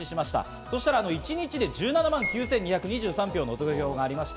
そしたら一日で１７万９２２３票もの投票がありました。